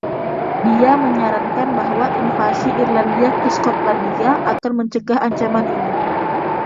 Dia menyarankan bahwa invasi Irlandia ke Skotlandia akan mencegah ancaman ini.